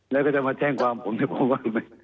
เราก็จะมาแช่งความผมในประวัติบันนั้น